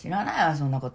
そんなこと。